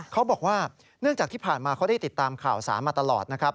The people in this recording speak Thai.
เขาบอกว่าเนื่องจากที่ผ่านมาเขาได้ติดตามข่าวสารมาตลอดนะครับ